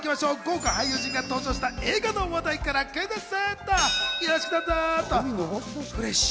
まずは豪華俳優陣が登場した映画の話題から、クイズッス！